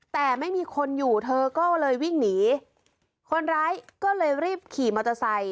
แต่ไม่มีคนอยู่เธอก็เลยวิ่งหนีคนร้ายก็เลยรีบขี่มอเตอร์ไซค